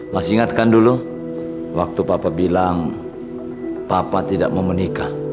masih ingatkan dulu waktu papa bilang papa tidak mau menikah